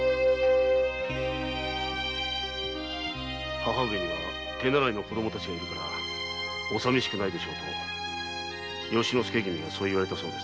母上には「手習いの子供たちがいるからお寂しくはない」と由之助君はそう言われたそうです。